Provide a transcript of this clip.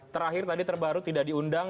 terakhir tadi terbaru tidak diundang